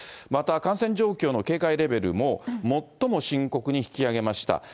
また感染状況の警戒レベルも最も深刻に引き上げました。